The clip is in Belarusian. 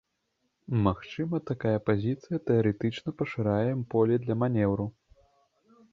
Магчыма, такая пазіцыя тэарэтычна пашырае поле для манеўру.